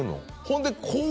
ほんで怖！